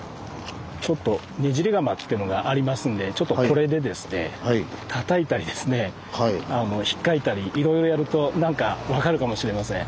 ねじり鎌っていうのがありますのでちょっとこれでですねたたいたりですねひっかいたりいろいろやるとなんか分かるかもしれません。